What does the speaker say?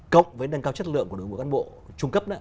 cộng với nâng cao chất lượng của đội ngũ cán bộ trung cấp